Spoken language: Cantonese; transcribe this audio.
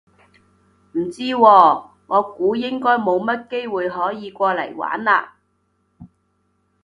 唔知喎，我估應該冇乜機會可以過嚟玩嘞